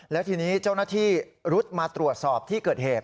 แล้วทีนี้เจ้าหน้าที่รุดมาตรวจสอบที่เกิดเหตุ